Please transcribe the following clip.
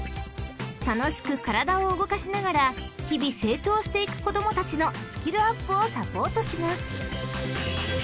［楽しく体を動かしながら日々成長していく子供たちのスキルアップをサポートします］